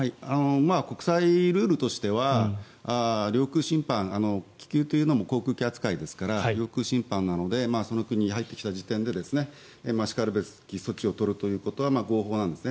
国際ルールとしては領空侵犯気球というのも航空機扱いですから領空侵犯になるのでその国に入ってきた時点でしかるべき措置を取るということは合法なんですね。